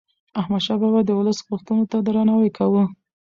احمد شاه بابا د ولس غوښتنو ته درناوی کاوه.